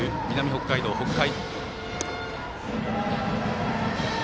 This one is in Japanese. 北海道、北海。